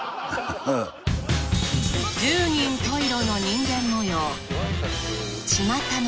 十人十色の人間模様